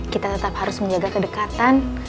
kita tetap harus menjaga kedekatan